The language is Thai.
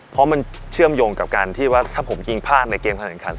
เพราะมันเชื่อมโยงกับการที่ว่าถ้าผมยิงพลาดในเกมการแข่งขัน